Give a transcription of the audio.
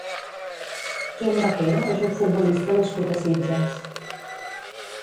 Jon Bakero és un futbolista nascut a Sitges.